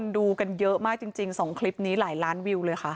ดูกันเยอะมากจริง๒คลิปนี้หลายล้านวิวเลยค่ะ